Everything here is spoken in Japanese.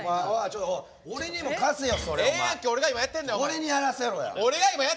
俺にやらせろや。